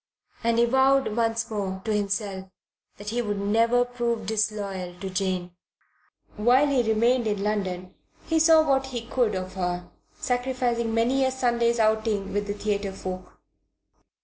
And he vowed once more, to himself, that he would never prove disloyal to Jane. While he remained in London he saw what he could of her, sacrificing many a Sunday's outing with the theatre folk.